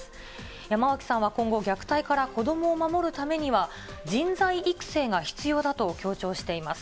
山脇さんは今後、虐待から子どもを守るためには、人材育成が必要だと強調しています。